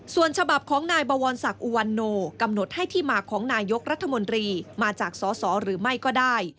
ส่วนฉบับของนายบวรศักดิ์อุวันโนกำหนดให้ที่มาของนายกรัฐมนตรีมาจากสสหรือไม่ก็ได้